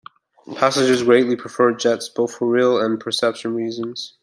Passengers greatly preferred jets, both for real and perception reasons.